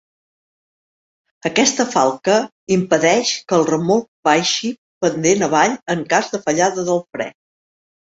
Aquesta falca impedeix que el remolc baixi pendent avall en cas de fallada del fre.